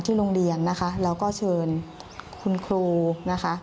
โรงเรียนนะคะแล้วก็เชิญคุณครูนะคะ